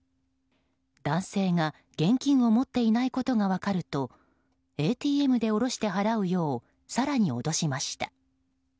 男性が現金を持っていないことが分かるとＡＴＭで下ろして払うよう更に脅しました。